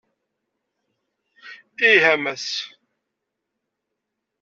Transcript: Ih, a Mass!